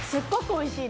おいしい！